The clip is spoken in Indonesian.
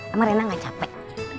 ama rena gak capek